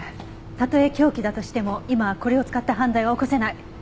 たとえ凶器だとしても今はこれを使った犯罪は起こせない。